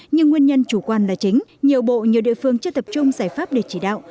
nhưng nguyên nhân chủ quan là chính nhiều bộ nhiều địa phương chưa tập trung giải pháp để chỉ đạo